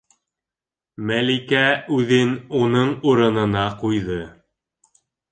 Мәликә үҙен уның урынына ҡуйҙы.